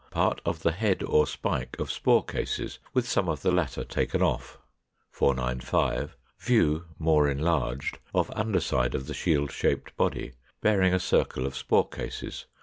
Part of the head or spike of spore cases, with some of the latter taken off. 495. View (more enlarged) of under side of the shield shaped body, bearing a circle of spore cases.